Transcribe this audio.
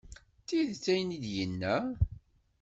D tidet ayen i d-yenna.